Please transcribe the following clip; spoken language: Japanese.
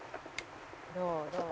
「どう？どう？」